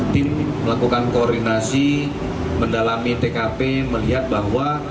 tim melakukan koordinasi mendalami tkp melihat bahwa